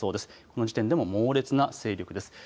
この時点でも猛烈な勢力です。